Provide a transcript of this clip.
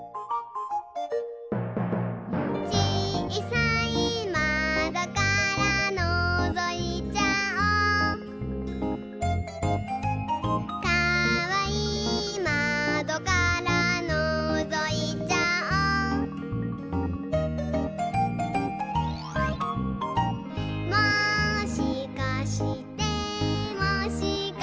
「ちいさいまどからのぞいちゃおう」「かわいいまどからのぞいちゃおう」「もしかしてもしかして」